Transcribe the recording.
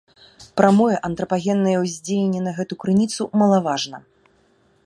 Прамое антрапагеннае ўздзеянне на гэту крыніцу малаважна.